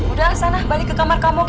udah sana balik ke kamar kamu